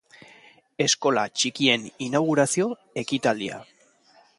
Eskola txikien inaugurazio ekitaldia.